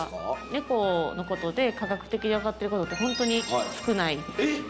猫のことで科学的に分かってることってホントに少ないえっ！